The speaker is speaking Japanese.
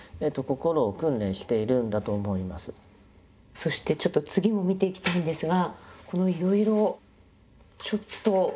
そしてちょっと次も見ていきたいんですがこのいろいろちょっと。